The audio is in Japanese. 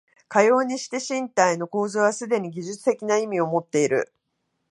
かようにして身体の構造はすでに技術的な意味をもっている。